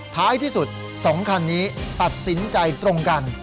ท้ายที่สุด๒คันนี้ตัดสินใจตรงกัน